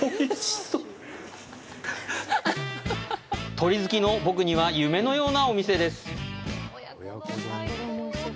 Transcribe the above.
鶏好きの僕には夢のようなお店です。